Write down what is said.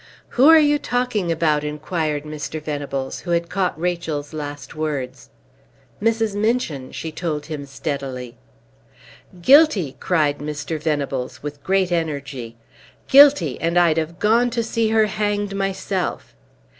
"Who are you talking about?" inquired Mr. Venables, who had caught Rachel's last words. "Mrs. Minchin," she told him steadily. "Guilty!" cried Mr. Venables, with great energy. "Guilty, and I'd have gone to see her hanged myself!"